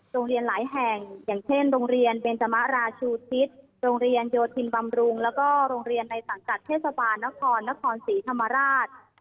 โรงเรียนหลายแห่งอย่างเช่นโรงเรียนเบนจมะราชูทิศโรงเรียนโยธินบำรุงแล้วก็โรงเรียนในสังกัดเทศบาลนครนครศรีธรรมราช